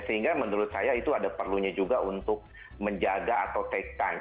sehingga menurut saya itu ada perlunya juga untuk menjaga atau take time